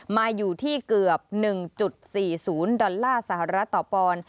มาอยู่ที่เกือบ๑๔๐ดอลลาร์สหรัฐต่อปอนด์